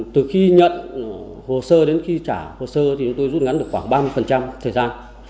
từ khi nhận hồ sơ đến khi trả hồ sơ thì chúng tôi rút ngắn được khoảng ba mươi thời gian